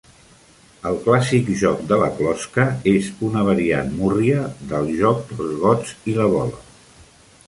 El clàssic joc de la closca és una variant múrria del joc dels gots i la bola.